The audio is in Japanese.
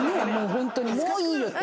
ホントにもういいよって。